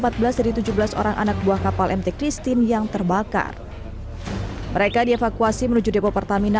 empat belas dari tujuh belas orang anak buah kapal mt christine yang terbakar mereka dievakuasi menuju depo pertamina